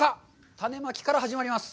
種まきから始まります。